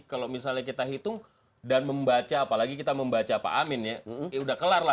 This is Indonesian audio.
kalau misalnya kita hitung dan membaca apalagi kita membaca pak amin ya sudah kelar lah